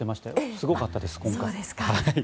すごかったです、今回。